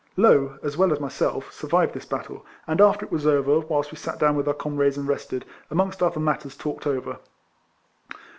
Low, as well as myself, survived this battle, and after it was over, whilst we sat down wjth our comrades and rested, amongst other matters talked over.